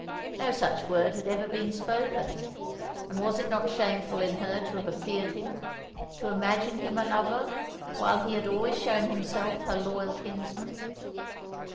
No such word had ever been spoken; and was it not shameful in her to have feared him to imagine him a lover while he had always shown himself her loyal kinsman?